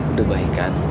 udah baik kan